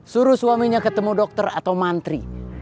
suruh suaminya ketemu dokter atau mantri